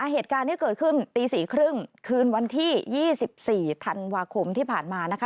เหตุการณ์ที่เกิดขึ้นตี๔๓๐คืนวันที่๒๔ธันวาคมที่ผ่านมานะคะ